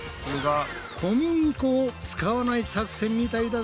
小麦粉を使わない作戦みたいだぞ！